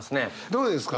どうですか？